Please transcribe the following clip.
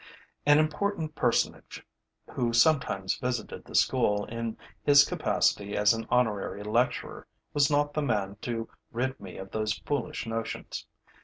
An important personage who sometimes visited the school, in his capacity as an honorary lecturer, was not the man to rid me of those foolish notions.